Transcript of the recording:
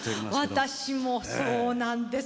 私もそうなんです